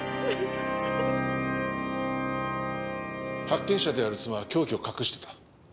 発見者である妻は凶器を隠していた。